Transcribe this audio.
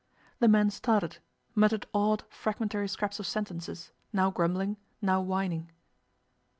The man started, muttered odd, fragmentary scraps of sentences, now grumbling, now whining.